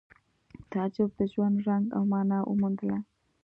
تعجب د ژوند رنګ او مانا وموندله